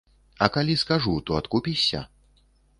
А калі скажу, то адкупішся?